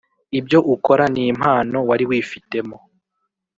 ibyo ukora n’impano wari wifitemo